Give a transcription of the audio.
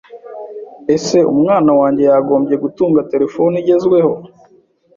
Ese umwana wange yagombye gutunga terefone igezweho